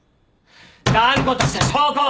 断固とした証拠を！